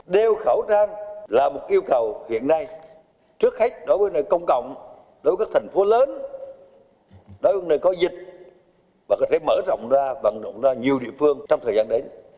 đeo khẩu trang là một yêu cầu hiện nay trước khách đối với nơi công cộng đối với các thành phố lớn đối với nơi có dịch và có thể mở rộng ra vận động ra nhiều địa phương trong thời gian đến